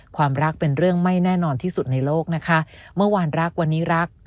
ความรักเป็นเรื่องไม่แน่นอนที่สุดในโลกนะคะเมื่อวานรักวันนี้รัก